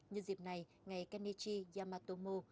nhân dịp này ngày kenichi yamatomo